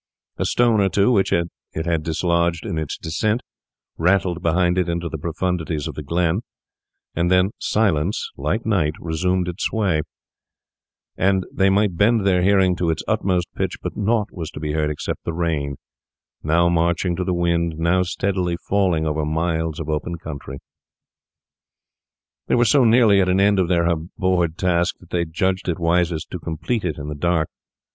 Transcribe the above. A stone or two, which it had dislodged in its descent, rattled behind it into the profundities of the glen; and then silence, like night, resumed its sway; and they might bend their hearing to its utmost pitch, but naught was to be heard except the rain, now marching to the wind, now steadily falling over miles of open country. They were so nearly at an end of their abhorred task that they judged it wisest to complete it in the dark.